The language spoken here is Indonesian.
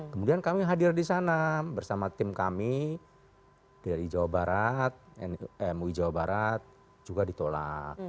kemudian kami hadir di sana bersama tim kami dari jawa barat mui jawa barat juga ditolak